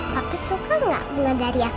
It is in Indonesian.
papa suka gak bunga dari aku